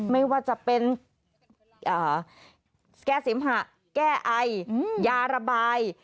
ไม่ว่าจะเป็นแก้เสมหะแก้ไอยาระบาย